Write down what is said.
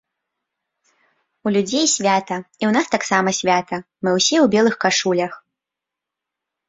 У людзей свята, і ў нас таксама свята, мы ўсе ў белых кашулях.